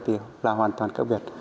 thì là hoàn toàn các việc